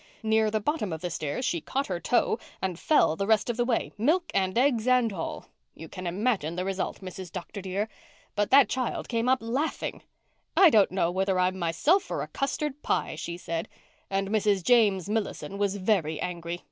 Near the bottom of the stairs she caught her toe and fell the rest of the way, milk and eggs and all. You can imagine the result, Mrs. Dr. dear. But that child came up laughing. 'I don't know whether I'm myself or a custard pie,' she said. And Mrs. James Millison was very angry.